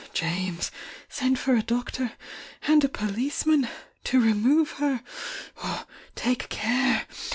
James, send for a doctor and a policeman vo remove her'— take care!